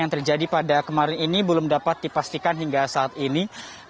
yang terjadi pada kemarin ini belum dapat dipastikan hingga saat ini